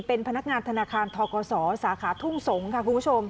เป็นพนักงานธนาคารทกศสาขาทุ่งสงศ์ค่ะคุณผู้ชม